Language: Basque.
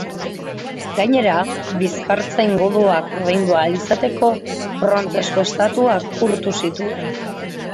Gainera, bizkartzain godoak ordaindu ahal izateko, brontzezko estatuak urtu zituen.